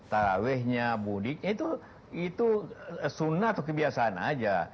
tarawehnya mudiknya itu sunnah atau kebiasaan aja